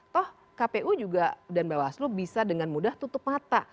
toh kpu juga dan bawaslu bisa dengan mudah tutup mata